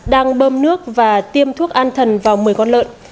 đang bơm nước và tiêm thuốc an thần vào một mươi con lợn